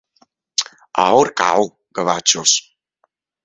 A Orcau, gavatxos.